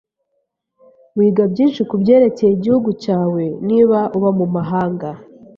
Wiga byinshi kubyerekeye igihugu cyawe niba uba mumahanga.